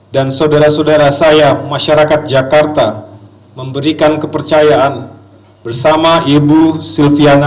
dan saudara saudara saya masyarakat jakarta memberikan kepercayaan bersama ibu silviana